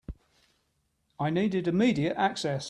I needed immediate access.